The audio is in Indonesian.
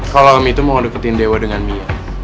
kalau om itu mau deketin dewa dengan mia